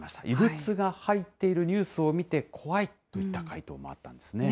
異物が入っているニュースを見て怖いといった回答もあったんです